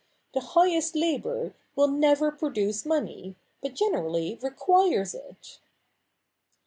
The highest labour will never produce money, but generally requires it.'